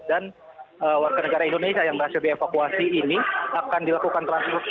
dan warga negara indonesia yang berhasil dievakuasi ini akan dilakukan transfer ke negara lain